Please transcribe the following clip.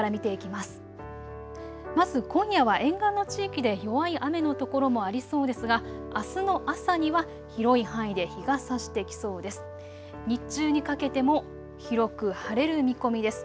まず今夜は沿岸の地域で弱い雨の所もありそうですが、あすの朝には広い範囲で日がさしてきそうです。